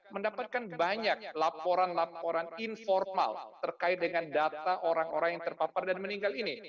mendapatkan banyak laporan laporan informal terkait dengan data orang orang yang terpapar dan meninggal ini